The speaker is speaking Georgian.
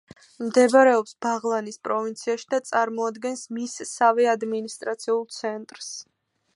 მდებარეობს ბაღლანის პროვინციაში და წარმოადგენს მისსავე ადმინისტრაციულ ცენტრს.